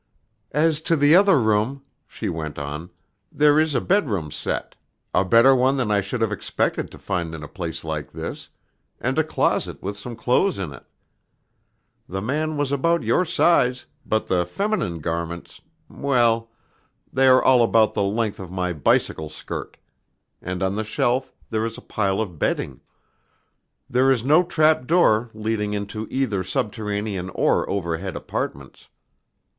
"As to the other room," she went on, "there is a bedroom set, a better one than I should have expected to find in a place like this, and a closet with some clothes in it. The man was about your size, but the feminine garments well they are all about the length of my bicycle skirt, and on the shelf there is a pile of bedding. There is no trap door leading into either subterranean or overhead apartments.